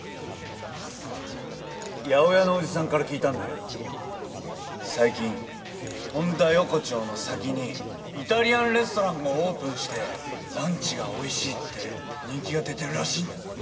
八百屋のおじさんから聞いたんだけど最近本田横丁の先にイタリアンレストランがオープンしてランチがおいしいって人気が出てるらしいんだ。